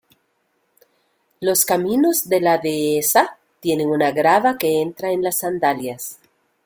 Los caminos de la Dehesa tienen una grava que entra en las sandalias.